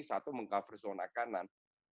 satu meng cover zona kanan